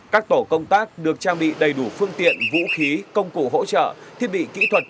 các tổ công tác được trang bị đầy đủ phương tiện vũ khí công cụ hỗ trợ thiết bị kỹ thuật